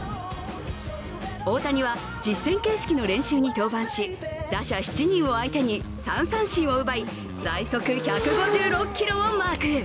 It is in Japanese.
大谷は実戦形式の練習に登板し打者７人を相手に３三振を奪い、最速１５６キロをマーク。